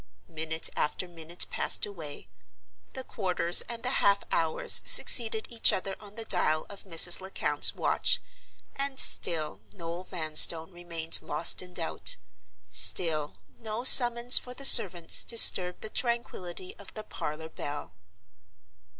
Minute after minute passed away; the quarters and the half hours succeeded each other on the dial of Mrs. Lecount's watch, and still Noel Vanstone remained lost in doubt; still no summons for the servants disturbed the tranquillity of the parlor bell.